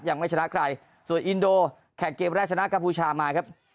ยังไม่ชนะใครส่วนอินโดแข่งเกมแรกชนะกัมพูชามาครับ